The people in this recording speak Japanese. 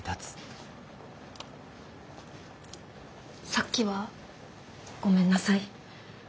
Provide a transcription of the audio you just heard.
さっきはごめんなさい。